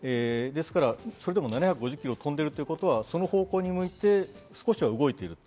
それでも７５０キロ飛んでるということは、その方向に向いて少しは動いてる。